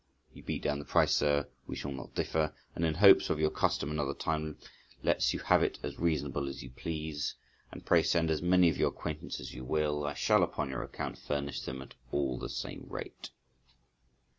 "You beat down the price; sir, we shall not differ," and in hopes of your custom another time, lets you have it as reasonable as you please; "And pray send as many of your acquaintance as you will; I shall upon your account furnish them all at the same rate."